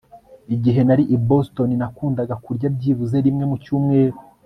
Igihe nari i Boston nakundaga kurya byibuze rimwe mu cyumweru